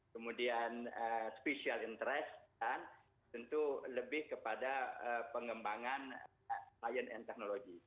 kemudian special interest dan tentu lebih kepada pengembangan science and technology